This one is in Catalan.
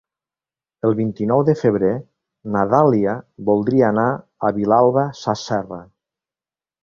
El vint-i-nou de febrer na Dàlia voldria anar a Vilalba Sasserra.